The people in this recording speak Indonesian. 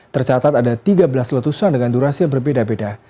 tercatat ada tiga belas letusan dengan durasi yang berbeda beda